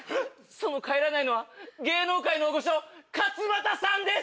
その帰らないのは芸能界の大御所勝俣さんです！